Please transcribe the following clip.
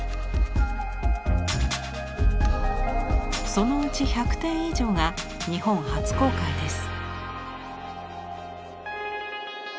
そのうち１００点以上が日本初公開です。